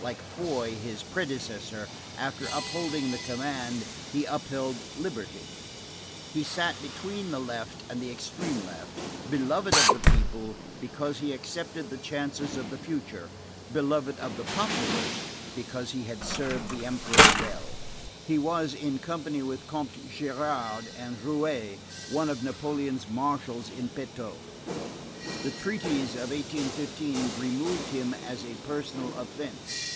Like Foy, his predecessor, after upholding the command, he upheld liberty; he sat between the left and the extreme left, beloved of the people because he accepted the chances of the future, beloved of the populace because he had served the Emperor well; he was, in company with Comtes Gérard and Drouet, one of Napoleon's marshals in petto. The treaties of 1815 removed him as a personal offence.